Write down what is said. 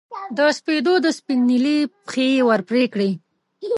د سپېدو د سپین نیلي پښې یې ور پرې کړې